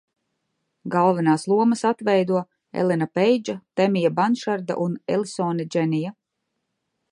Galvenās lomas atveido Elena Peidža, Temija Banšarda un Elisone Dženija.